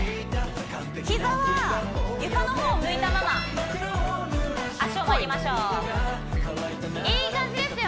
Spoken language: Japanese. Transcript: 膝は床の方を向いたまま脚を曲げましょういい感じですよ